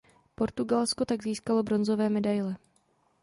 Portugalsko tak získalo bronzové medaile.